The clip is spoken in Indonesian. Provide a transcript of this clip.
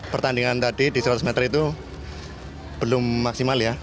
pertandingan tadi di seratus meter itu belum maksimal ya